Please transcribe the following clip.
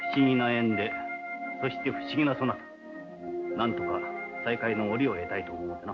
何とか再会の折を得たいと思うてな。